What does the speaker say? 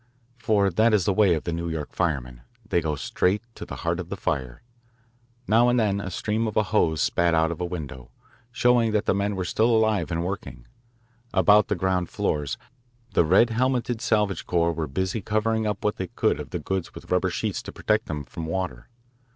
For that is the way with the New York firemen. They go straight to the heart of the fire. Now and then a stream of a hose spat out of a window, showing that the men were still alive and working. About the ground floors the red helmeted salvage corps were busy covering up what they could of the goods with rubber sheets to protect them from water.